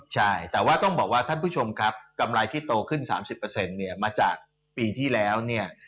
ใช่แต่ว่าต้องบอกว่าท่านผู้ชมครับกำไรที่โตขึ้น๓๐เนี่ยมาจากปีที่แล้วเนี่ย